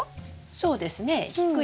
そうですね。